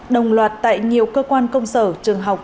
đồng loạt tại nhiều cơ quan công sở trường học